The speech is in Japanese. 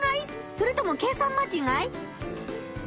それとも計算間違い？